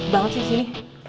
bangun sih sini